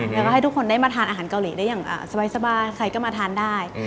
แล้วก็ให้ทุกคนได้มาทานอาหารเกาหลีได้อย่างสบายใครก็มาทานได้